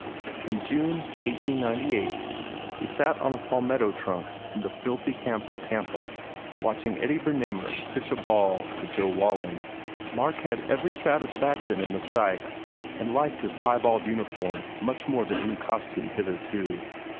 In June, 1698, he sat on a palmetto trunk in the filthy camp of Tampa watching Eddie Bernamer pitch a ball to Joe Walling. Mark had every satisfaction in the sight and liked his piebald uniform much more than any costume hitherto.